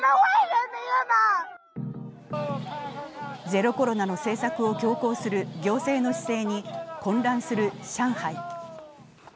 ゼロコロナの政策を強行する行政の姿勢に混乱する上海。